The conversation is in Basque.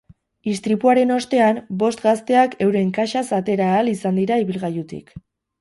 Istripuaren ostean, bost gazteak euren kaxaz atera ahal izan dira ibilgailutik.